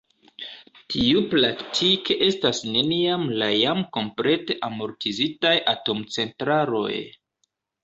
Tiu praktike estas neniam la jam komplete amortizitaj atomcentraloj.